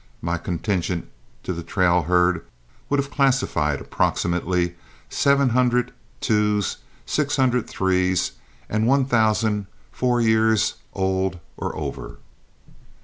My contingent to the trail herd would have classified approximately seven hundred twos, six hundred threes, and one thousand four years old or over.